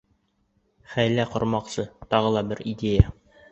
Хәйлә ҡормаҡсы, тағы ла бер идея.